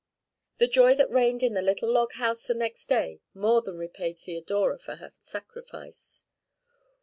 The joy that reigned in the little log house the next day more than repaid Theodora for her sacrifice.